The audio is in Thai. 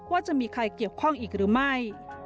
ว่าจะมีใครเกี่ยวข้องอีกหรือไม่